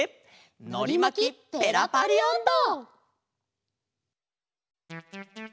「のりまきペラパリおんど」。